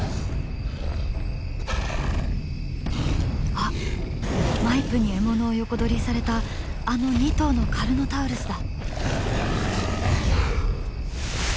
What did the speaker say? あっマイプに獲物を横取りされたあの２頭のカルノタウルスだ。